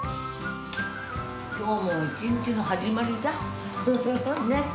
きょうも一日の始まりだ。